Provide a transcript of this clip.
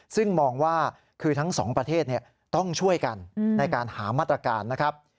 ซึ่งมองว่าคือทั้งสองประเทศต้องช่วยกันในการหามาตรการนะครับ